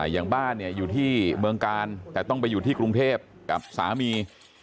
อย่างบ้านเนี่ยอยู่ที่เมืองกาลแต่ต้องไปอยู่ที่กรุงเทพกับสามี